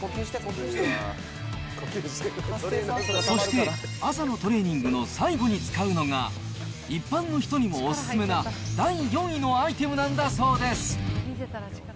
そして、朝のトレーニングの最後に使うのが、一般の人にもお勧めな第４位のアイテムなんだそうです。